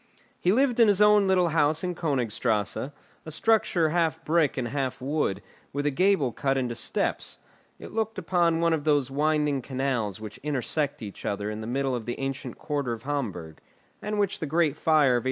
He lived in his own little house in Königstrasse, a structure half brick and half wood, with a gable cut into steps; it looked upon one of those winding canals which intersect each other in the middle of the ancient quarter of Hamburg, and which the great fire of 1842 had fortunately spared.